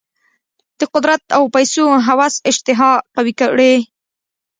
د قدرت او پیسو هوس اشتها قوي کړې.